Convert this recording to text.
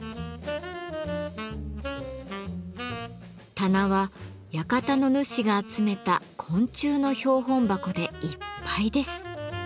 棚は館の主が集めた昆虫の標本箱でいっぱいです。